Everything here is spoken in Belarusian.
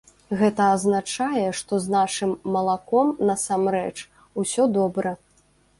Гэта азначае, што з нашым малаком, насамрэч, усё добра.